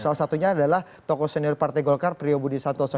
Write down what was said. salah satunya adalah tokoh senior partai golkar priyobudi santoso